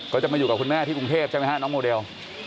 เธอจะมาอยู่กับคุณแม่ที่กรุงเทพนะครับน้องโมเดล